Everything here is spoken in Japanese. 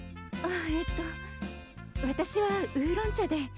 えっと私はウーロン茶で。